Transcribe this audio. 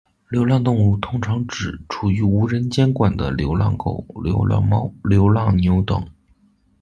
流浪动物通常指处于无人监管的流浪狗、流浪猫、流浪牛等。